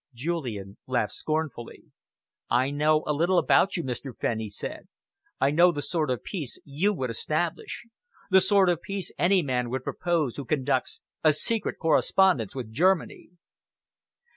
Julian laughed scornfully. "I know a little about you, Mr. Fenn," he said. "I know the sort of peace you would establish, the sort of peace any man would propose who conducts a secret correspondence with Germany."